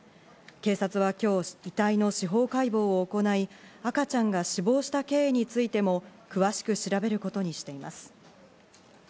警察は今日遺体の司法解剖を行い、赤ちゃんが死亡した経緯についても詳しく調べることにしています。